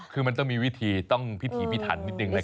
คือมันต้องมีวิธีต้องพิถีพิถันนิดนึง